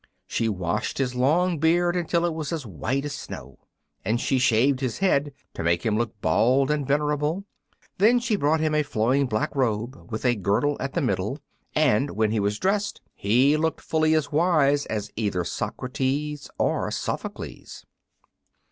She washed his long beard until it was as white as snow, and she shaved his head to make him look bald and venerable. Then she brought him a flowing black robe with a girdle at the middle; and when he was dressed, lo! he looked fully as wise as either Socrates or Sophocles.